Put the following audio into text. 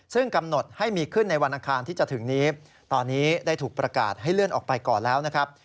ซึ่งกำหนดให้มีขึ้นในวันอังคารที่จะถึงนี้ตอนนี้ได้ถูกประกาศให้เลื่อนออกไปก่อนแล้วนะครับ